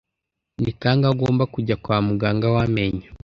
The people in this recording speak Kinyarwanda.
Ni kangahe ugomba kujya kwa muganga w'amenyo?